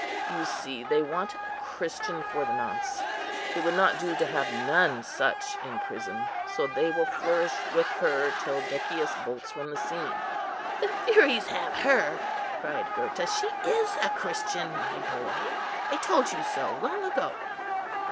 You see they want a Christian for the nonce: it would not do to have none such in prison; so they will flourish with her till Decius bolts from the scene." "The Furies have her!" cried Gurta: "she is a Christian, my boy: I told you so, long ago!"